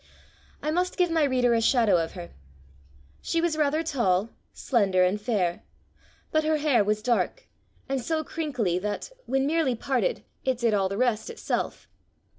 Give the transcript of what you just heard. I must give my reader a shadow of her. She was rather tall, slender, and fair. But her hair was dark, and so crinkly that, when merely parted, it did all the rest itself.